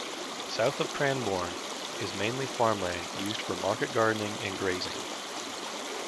South of Cranbourne is mainly farmland, used for market gardening and grazing.